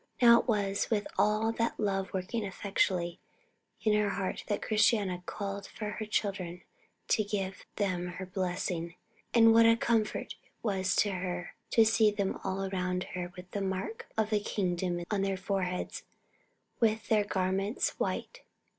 Now it was with all that love working effectually in her heart that Christiana called for her children to give them her blessing. And what a comfort it was to her to see them all around her with the mark of the kingdom on their foreheads, and with their garments white.